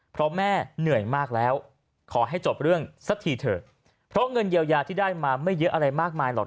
เพราะแม่เหนื่อยมากแล้วขอให้จบเรื่องสักทีเถอะเพราะเงินเยียวยาที่ได้มาไม่เยอะอะไรมากมายหรอก